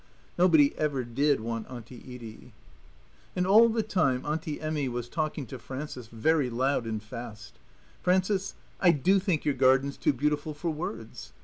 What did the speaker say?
Nobody ever did want Auntie Edie. And all the time Auntie Emmy was talking to Frances very loud and fast. "Frances, I do think your garden's too beautiful for words.